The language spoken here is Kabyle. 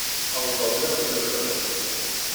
Uwḍeɣ-d iḍ yezrin.